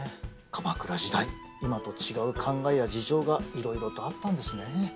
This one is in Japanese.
鎌倉時代今と違う考えや事情がいろいろとあったんですねえ。